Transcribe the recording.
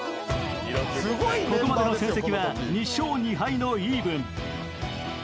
ここまでの戦績は２勝２敗のイーブン。